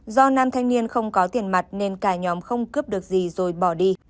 do nam thanh niên không có tiền mặt nên cả nhóm không cướp được gì rồi bỏ đi